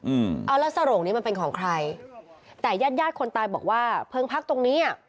อืมเอาแล้วสโรงนี้มันเป็นของใครแต่ญาติญาติคนตายบอกว่าเพลิงพักตรงนี้อ่ะ